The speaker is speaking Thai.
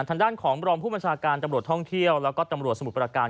ทางด้านของรองผู้บัญชาการตำรวจท่องเที่ยวแล้วก็ตำรวจสมุทรประการ